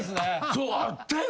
そうあったよ！